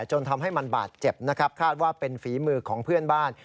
จนทำให้มันบาดเจ็บนะครับคาดว่าเป็นฝีมือของเพื่อนบ้าน